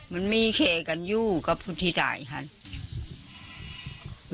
มั่นมีเคกันอยู่ก็บุติไม่ถูกคุย